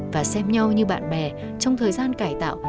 và xem nhau như bạn bè trong thời gian cải tạo